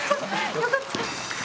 よかった。